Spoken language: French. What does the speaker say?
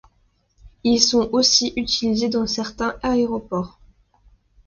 Ils sont aussi utilisés dans certains aéroports.